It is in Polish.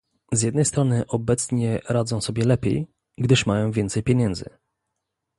Z jednej strony obecnie radzą sobie lepiej, gdyż mają więcej pieniędzy